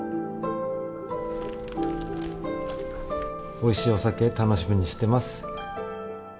「おいしいお酒楽しみにしています」。